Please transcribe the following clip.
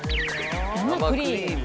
生クリーム。